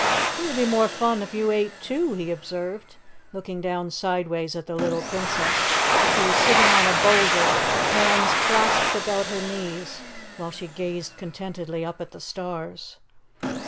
"It would be more fun if you ate too," he observed, looking down sideways at the little Princess, who was sitting on a boulder, hands clasped about her knees, while she gazed contentedly up at the stars.